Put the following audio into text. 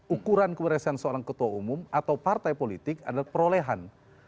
ukuran keberhasilan seorang ketua umum atau partai politik adalah perolehan